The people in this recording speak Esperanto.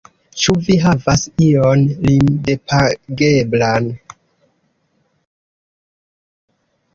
Ĉu vi havas ion limdepageblan?